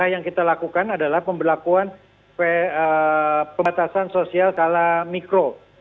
yang kita lakukan adalah pemberlakuan pembatasan sosial kala mikro